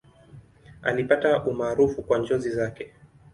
Alipata umaarufu kwa njozi zake.